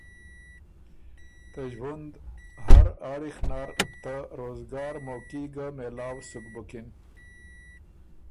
ته ݫوُند هر آړِخ نر ته روزګار موقعي ګۀ مېلاؤ سُک بُکِن۔